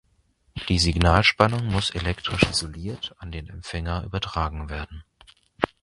Die Signalspannung muss elektrisch isoliert an den Empfänger übertragen werden.